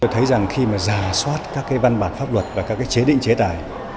tôi thấy rằng khi mà giả soát các cái văn bản pháp luật và các cái chế định chế tài